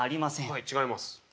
はい違います。